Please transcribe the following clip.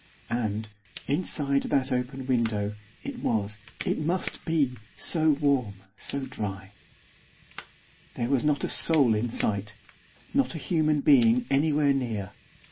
And, inside that open window, it was, it must be, so warm, so dry! There was not a soul in sight. Not a human being anywhere near.